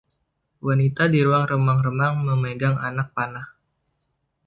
Wanita di ruang remang-remang memegang anak panah.